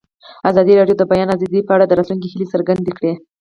ازادي راډیو د د بیان آزادي په اړه د راتلونکي هیلې څرګندې کړې.